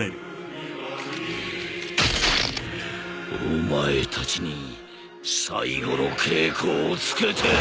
お前たちに最後の稽古をつけてやる。